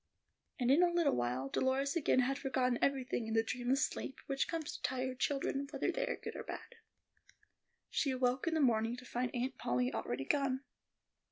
And in a little while Dolores again had forgotten everything in the dreamless sleep which comes to tired children whether they are good or bad. She awoke in the morning to find Aunt Polly already gone.